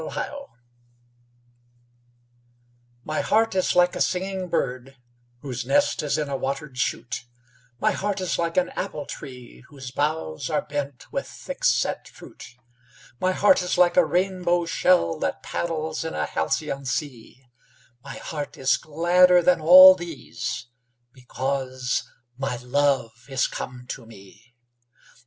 A BIRTHDAY. My heart is like a singing bird Whose nest is in a watered shoot; My heart is like an apple tree Whose boughs are bent with thick set fruit; My heart is like a rainbow shell That paddles in a halcyon sea; My heart is gladder than all these Because my love is come to me.